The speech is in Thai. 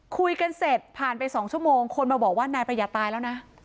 คุยกันเสร็จผ่านไป๒ชั่วโมงคนมาบอกว่านายประหยัดตายแล้วนะ